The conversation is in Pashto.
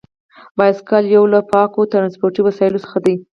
بایسکل یو له پاکو ترانسپورتي وسیلو څخه دی.